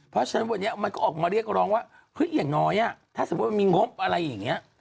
เพราะฉะนั้นวันนี้มันก็ออกมาเรียกร้องว่าเฮ้ยอย่างน้อยถ้าสมมุติมันมีงบอะไรอย่างนี้